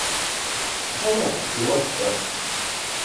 Схала иуасҳәап.